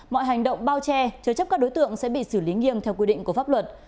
mọi hành động bao che chứa chấp các đối tượng sẽ bị xử lý nghiêm theo quy định của pháp luật